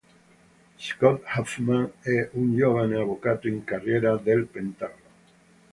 Scott Huffman è un giovane avvocato in carriera del Pentagono.